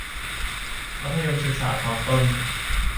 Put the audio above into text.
มัธยมศึกษาตอนต้น